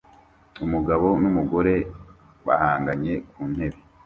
Umugabo n'umugore bahanganye ku ntebe